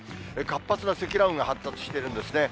活発な積乱雲が発達してるんですね。